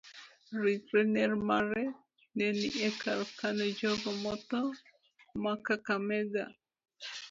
Ringre ner mare ni e kar kano jogo motho ma kakamega.